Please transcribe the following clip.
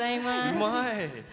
うまい。